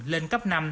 lên cấp năm